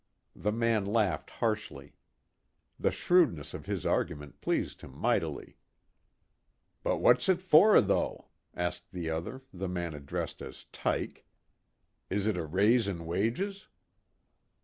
The man laughed harshly. The shrewdness of his argument pleased him mightily. "But what's it for, though?" asked the other, the man addressed as "Tyke." "Is it a raise in wages?"